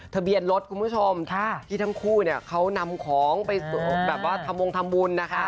ทะเบียนรถคุณผู้ชมที่ทั้งคู่เขานำของไปทำวงทำบุญ